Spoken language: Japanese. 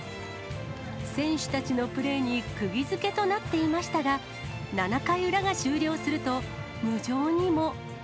選手たちのプレーにくぎづけとなっていましたが、７回裏が終了すると、無情にも。